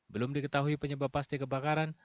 belum diketahui penyebab pasti kebakaran